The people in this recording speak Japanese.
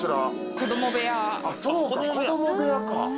子供部屋か！